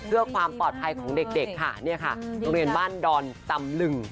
เพื่อความปลอดภัยของเด็กเด็กค่ะเนี่ยค่ะโรงเรียนบ้านดอนตำลึง